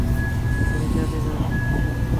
আমি জানি না কি হচ্ছে।